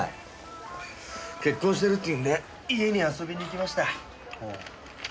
結婚してるって言うんで家に遊びに行きました。